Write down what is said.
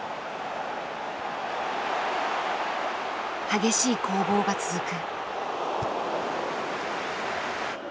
激しい攻防が続く。